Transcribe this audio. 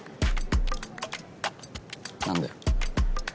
何だよ？